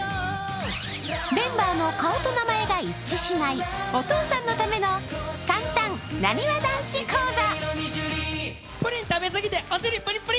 メンバーの顔と名前が一致しない、お父さんのための簡単なにわ男子講座。